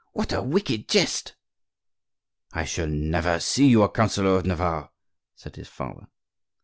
"What a wicked jest!" "I shall never see you a counsellor of Navarre," said his father.